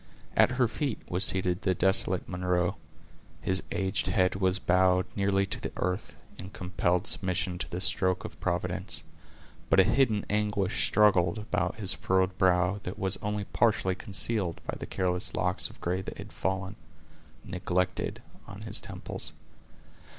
At her feet was seated the desolate Munro. His aged head was bowed nearly to the earth, in compelled submission to the stroke of Providence; but a hidden anguish struggled about his furrowed brow, that was only partially concealed by the careless locks of gray that had fallen, neglected, on his temples.